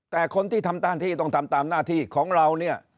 แต่คนที่ทำหน้าที่ต้องทำตามหน้าที่ของเราเนี่ย